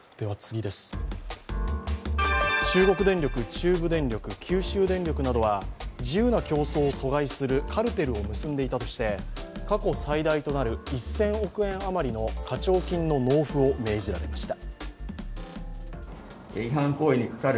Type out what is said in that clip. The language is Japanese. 中国電力、中部電力、九州電力などは自由な競争を阻害するカルテルを結んでいたとして過去最大となる１０００億円余りの課徴金の納付を命じられました。